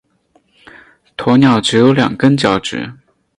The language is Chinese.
鸵鸟只有两根脚趾。